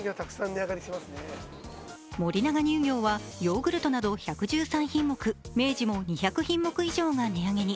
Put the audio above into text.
森永乳業はヨーグルトなど１１３品目明治も２００品目以上が値上げに。